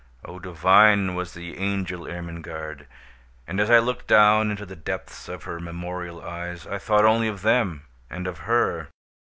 Oh, divine was the angel Ermengarde! and as I looked down into the depths of her memorial eyes, I thought only of them—and of her.